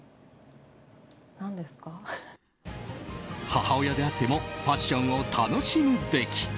母親であってもファッションを楽しむべき。